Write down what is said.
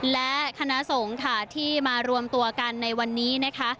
และคณะสงฆ์ค่ะที่มารวมตัวกันในวันนี้นะคะ